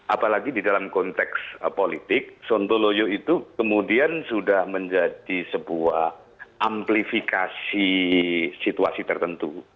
apalagi di dalam konteks politik sontoloyo itu kemudian sudah menjadi sebuah amplifikasi situasi tertentu